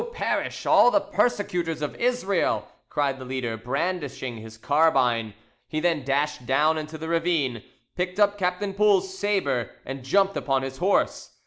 "So perish all the persecutors of Israel!" cried the leader, brandishing his carbine. He then dashed down into the ravine, picked up Captain Poul's sabre and jumped upon his horse.